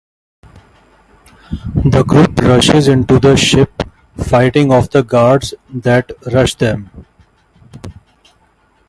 The group rushes into the ship, fighting off the guards that rush them.